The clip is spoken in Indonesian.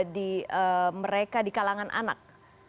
di mereka di kalangan anak